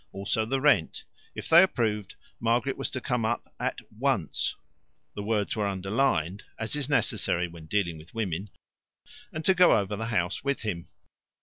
Also the rent. If they approved, Margaret was to come up AT ONCE the words were underlined, as is necessary when dealing with women and to go over the house with him.